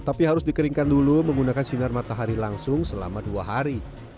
tapi harus dikeringkan dulu menggunakan sinar matahari langsung selama dua hari